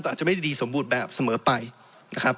อาจจะไม่ได้ดีสมบูรณ์แบบเสมอไปนะครับ